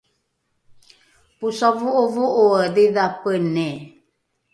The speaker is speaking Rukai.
posavo’ovo’oe dhidhapeni